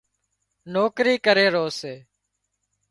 نوڪري ڪري رو سي